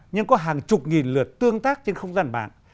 nhưng có hàng chục nghìn lượt tương tác trên không gian mạng